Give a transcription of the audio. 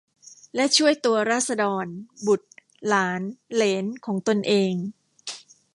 และช่วยตัวราษฎร บุตร หลาน เหลน ของตนเอง